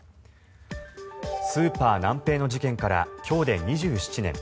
スーパーナンペイの事件から今日で２７年。